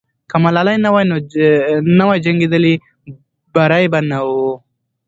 که ملالۍ نه وای جنګېدلې، بری به نه وو.